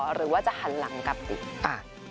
หรือว่าจะหันหลังกับครอบครัว